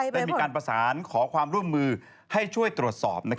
ได้มีการประสานขอความร่วมมือให้ช่วยตรวจสอบ